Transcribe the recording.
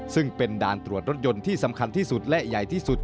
ซึ่งเป็นด่านตรวจรถยนต์ที่สำคัญที่สุดและใหญ่ที่สุด